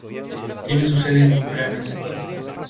Tiene su sede en Pleasanton.